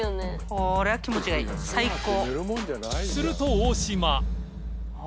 これは気持ちがいい最高。